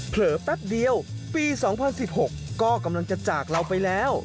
แป๊บเดียวปี๒๐๑๖ก็กำลังจะจากเราไปแล้ว